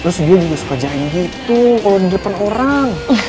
terus dia juga suka janggit tuh kalo di depan orang